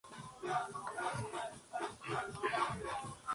Canciones de Manal cortan con el tango y a la vez lo continúan.